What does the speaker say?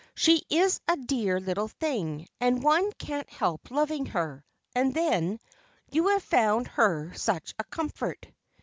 "She is a dear little thing, and one can't help loving her; and then, you have found her such a comfort."